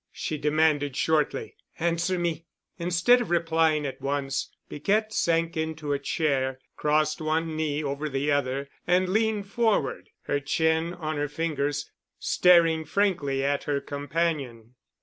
she demanded shortly. "Answer me." instead of replying at once Piquette sank into a chair, crossed one knee over the other and leaned forward, her chin on her fingers, staring frankly at her companion.